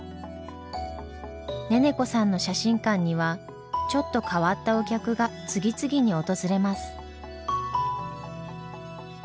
ネネコさんの写真館にはちょっと変わったお客が次々に訪れます。